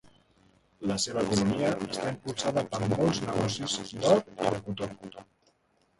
La seva economia està impulsada per molts negocis d'or i de cotó.